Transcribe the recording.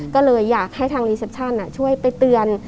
ก็เลยอยากให้ทางรีเซปชั่นช่วยไปเตือน